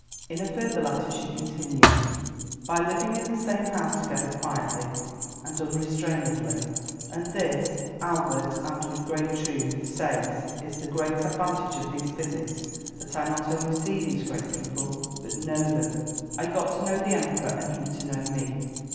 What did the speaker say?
In a further letter she continued, "By living in the same house together quietly and unrestrainedly (and this Albert, and with great truth, says is the great advantage of these visits, that I not only see these great people, but know them), I got to know the Emperor and he to know me.